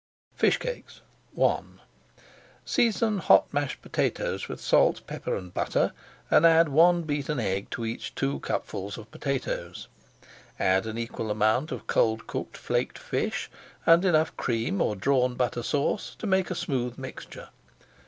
FISH CAKES I Season hot mashed potatoes with salt, pepper, and butter, and add one beaten egg to each two cupfuls of potatoes. Add an equal amount of cold cooked flaked fish and enough Cream or Drawn Butter Sauce to make a smooth mixture.